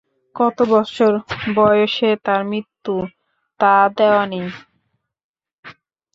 কত বৎসর বয়সে তাঁর মৃত্যু, তা দেওয়া নেই।